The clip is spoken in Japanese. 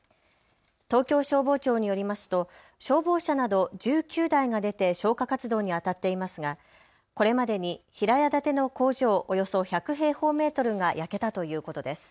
東京消防庁によりますと消防車など１９台が出て消火活動にあたっていますがこれまでに平屋建ての工場およそ１００平方メートルが焼けたということです。